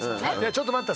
ちょっと待った。